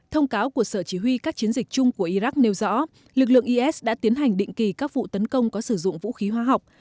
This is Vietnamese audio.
thông cáo của sở chỉ huy các chiến dịch chung của iraq nêu rõ lực lượng is đã tiến hành định kỳ các vụ tấn công có sử dụng vũ khí hóa học